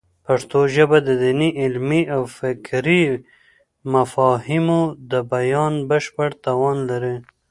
پښتو ژبه د دیني، علمي او فکري مفاهیمو د بیان بشپړ توان لري.